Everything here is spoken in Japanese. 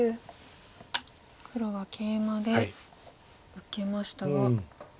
黒はケイマで受けましたが。